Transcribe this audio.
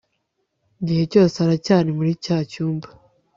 gihe cyose aracyari muri cyacyumba